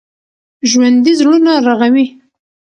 ژوندي زړونه رغوي